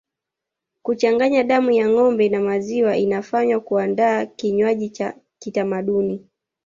Kuchanganya damu ya ngombe na maziwa inafanywa kuandaa kinywaji cha kitamaduni